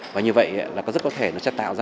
và như vậy là có rất có thể nó sẽ tạo ra